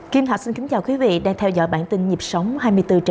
kim thạch xin kính chào quý vị đang theo dõi bản tin nhịp sống hai mươi bốn h